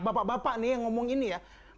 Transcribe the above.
bapak bapak nih yang ngomong ini ya